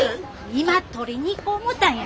今取りに行こ思たんや。